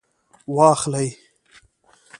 واخلئ